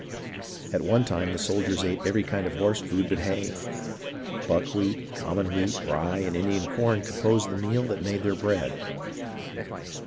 ... At one time the soldiers ate every kind of horse food but hay. Buckwheat, common wheat, rye, and Indian corn composed the meal that made their bread.